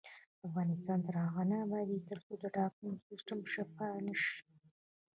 افغانستان تر هغو نه ابادیږي، ترڅو د ټاکنو سیستم شفاف نشي.